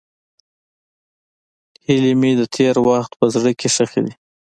هیلې مې د تېر وخت په زړه کې ښخې دي.